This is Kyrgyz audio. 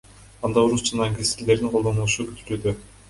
Анда орус жана англис тилдеринин колдонулушу күтүлүүдө.